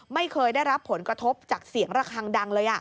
ไม่เคยได้รับผลกระทบจากเสียงระคังดังเลย